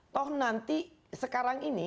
toh nanti sekarang ini